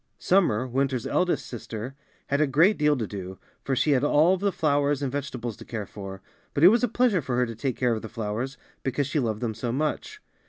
Summer, Winter^s eldest sister, had a great deal to do, for she had all of the flowers and vegetables to care for; but it was a pleasure for her to take care of the flowers, because she loved them so much.